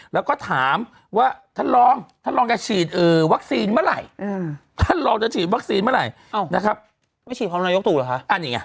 แล้วก็ถามว่าท่านลองท่านลองกับฉีดวัตซีมาไหร่